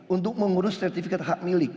untuk mengurus sertifikat hak milik